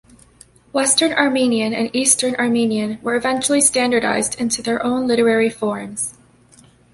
Western Armenian and Eastern Armenian were eventually standardized into their own literary forms.